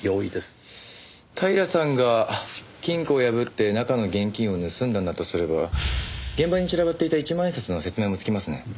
平さんが金庫を破って中の現金を盗んだんだとすれば現場に散らばっていた一万円札の説明もつきますね。